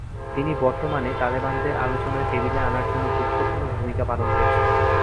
তিনি বর্তমানে তালেবানদের আলোচনায় টেবিলে আনার জন্য গুরুত্বপূর্ণ ভূমিকা পালন করছেন।